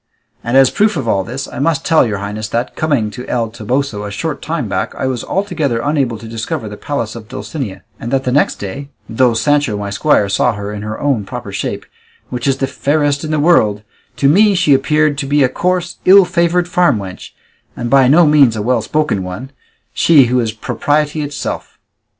And as a proof of all this, I must tell your highnesses that, coming to El Toboso a short time back, I was altogether unable to discover the palace of Dulcinea; and that the next day, though Sancho, my squire, saw her in her own proper shape, which is the fairest in the world, to me she appeared to be a coarse, ill favoured farm wench, and by no means a well spoken one, she who is propriety itself.